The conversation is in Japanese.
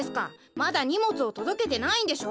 まだにもつをとどけてないんでしょ？